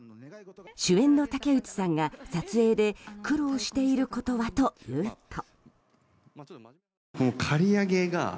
主演の竹内さんが撮影で苦労していることはというと。